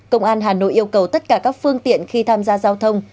công an hà nội yêu cầu tất cả các phương tiện khi tham gia giao thông